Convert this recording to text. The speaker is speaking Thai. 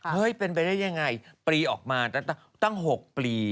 เป็นไปได้ยังไงปลีออกมาตั้ง๖ปี